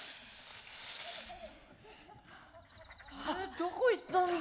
どこ行ったんだ？